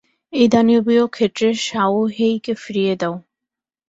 এই দানবীয় ক্ষেত্র শাওহেইকে ফিরিয়ে দাও।